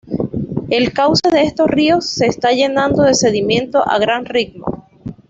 El cauce de estos ríos se está llenando de sedimentos a gran ritmo.